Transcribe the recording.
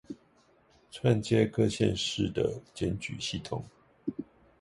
串接各縣市的檢舉系統